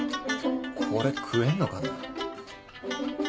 これ食えんのかな？